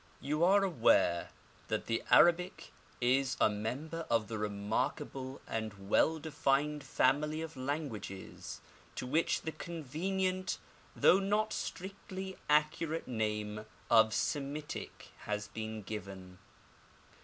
You are aware that the Arabic is a member of the remarkable and well defined family of languages to which the convenient, though not strictly accurate, name of Semitic has been given.